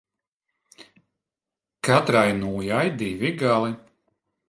Katrai nūjai divi gali.